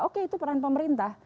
oke itu peran pemerintah